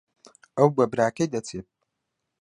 ئەو بە براکەی دەچێت.